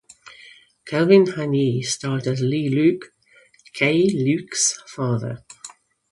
Kelvin Han Yee starred as Lee Luke, Keye Luke's father.